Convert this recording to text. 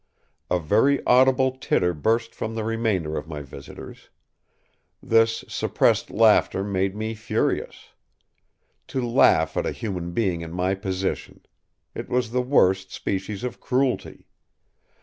A very audible titter burst from the remainder of my visitors. This suppressed laughter made me furious. To laugh at a human being in my position! It was the worst species of cruelty.